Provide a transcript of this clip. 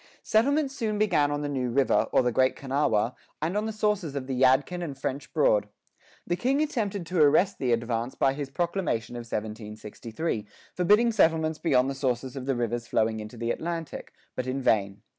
Settlements soon began on the New River, or the Great Kanawha, and on the sources of the Yadkin and French Broad.[5:4] The King attempted to arrest the advance by his proclamation of 1763,[5:5] forbidding settlements beyond the sources of the rivers flowing into the Atlantic; but in vain.